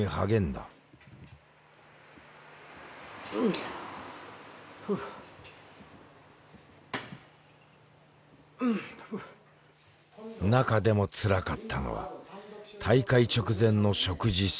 中でもつらかったのは大会直前の食事制限。